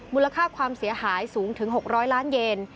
มูลค่าความเสียหายสูงถึง๖๐๐ล้านเยน